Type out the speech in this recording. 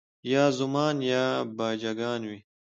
یا زومان یا باجه ګان وي